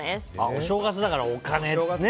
お正月だから、お金ね。